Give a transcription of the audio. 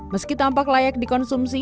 meski tampak layak dikonsumsi